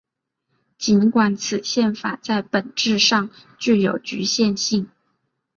尽管此宪法在本质上具有局限性。